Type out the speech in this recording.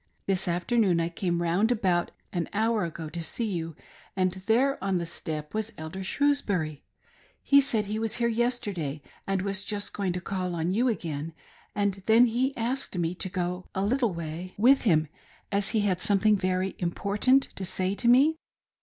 This afternoon I came round about an hour ago to see, you, and there on the step was Elder Shrews bury. He said he was here yesterday, and was just going to call on you again, and then he asked me to go a little way with II i68 A lover's eloquence. him, as he had something very important to say to me.